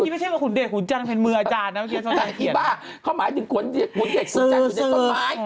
นี่ไม่ใช่ว่าขุนเดชและขุนจันทร์เป็นมืออาจารย์นะเมื่อกี้แต่อีบ้าเขาหมายถึงขุนเดชขุนจันทร์ขุนเดชต้นไม้